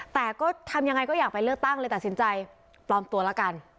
แต่ก็ทำยังไงก็อยากไปเลือกตั้งเลยตัดสินใจปลอมตัวละกัน